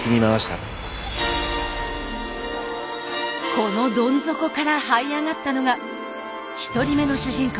このどん底からはい上がったのが１人目の主人公。